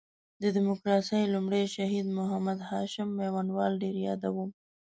د ډیموکراسۍ لومړی شهید محمد هاشم میوندوال در یادوم.